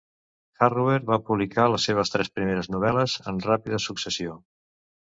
Harrower va publicar les seves tres primeres novel·les en ràpida successió.